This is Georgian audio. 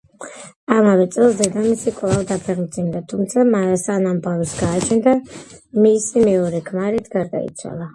ამავე წელს დედამისი კვლავ დაფეხმძიმდა, თუმცა სანამ ბავშვს გააჩენდა მისი მეორე ქმარიც გარდაიცვალა.